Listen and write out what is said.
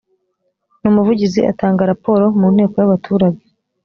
n umuvugizi atanga raporo mu nteko yabaturage